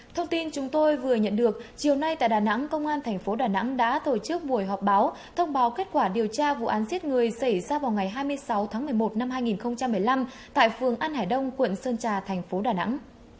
thông tin chúng tôi vừa nhận được chiều nay tại đà nẵng công an thành phố đà nẵng đã tổ chức buổi họp báo thông báo kết quả điều tra vụ án giết người xảy ra vào ngày hai mươi sáu tháng một mươi một năm hai nghìn một mươi năm tại phường an hải đông quận sơn trà thành phố đà nẵng